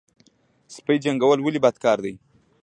سپي جنګول ولې بد کار دی؟